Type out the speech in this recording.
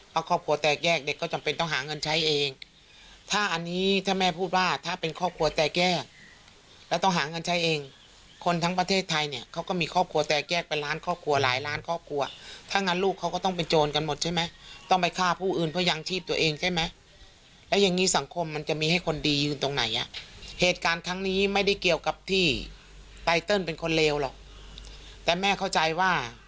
เพราะครอบครัวแตกแยกเด็กก็จำเป็นต้องหาเงินใช้เองถ้าอันนี้ถ้าแม่พูดว่าถ้าเป็นครอบครัวแตกแยกแล้วต้องหาเงินใช้เองคนทั้งประเทศไทยเนี่ยเขาก็มีครอบครัวแตกแยกเป็นล้านครอบครัวหลายล้านครอบครัวถ้างั้นลูกเขาก็ต้องเป็นโจรกันหมดใช่ไหมต้องไปฆ่าผู้อื่นเพื่อยังชีพตัวเองใช่ไหมและอย่างงี้สังคมม